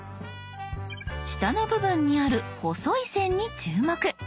下の部分にある細い線に注目。